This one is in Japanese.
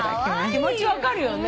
気持ち分かるよね。